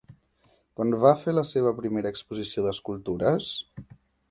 Quan va fer la seva primera exposició d'escultures?